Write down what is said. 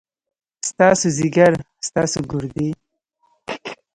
ستاسو ځيګر ، ستاسو ګردې ،